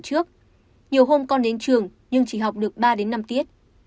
trước nhiều hôm con đến trường nhưng chỉ học được ba đến năm tiết